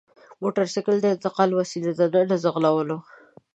موټرسایکل د انتقال وسیله ده نه د ځغلولو!